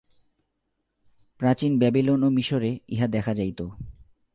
প্রাচীন বাবিলন ও মিশরে ইহা দেখা যাইত।